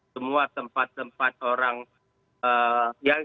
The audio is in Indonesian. semua tempat tempat orang